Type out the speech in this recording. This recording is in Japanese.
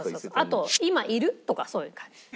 あと「今いる？」とかそういう感じ。